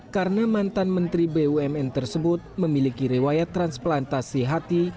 karena mantan menteri bumn tersebut memiliki rewayat transplantasi hati